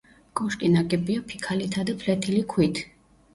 კოშკი ნაგებია ფიქალითა და ფლეთილი ქვით.